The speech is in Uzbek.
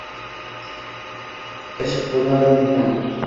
ishq bo’lar mehmon.